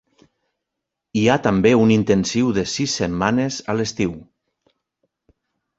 Hi ha també un intensiu de sis setmanes a l'estiu.